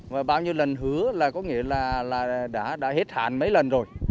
và bao nhiêu lần hứa là có nghĩa là đã hết hạn mấy lần rồi